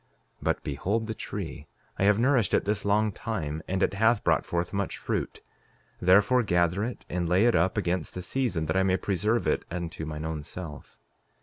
But, behold the tree. I have nourished it this long time, and it hath brought forth much fruit; therefore, gather it, and lay it up against the season, that I may preserve it unto mine own self.